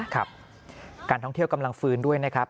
ครับการท่องเที่ยวกำลังฟื้นด้วยนะครับ